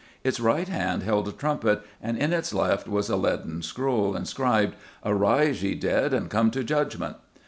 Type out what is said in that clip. "Its right hand held a trumpet and in its left was a leaden scroll, inscribed, 'Arise, ye dead, and come to judgment.